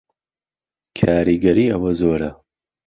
کاریگەری ئەوە زۆرە